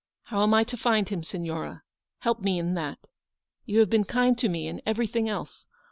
How am I to find him, Signora ? Help me in that. You have been kind to me in everything else.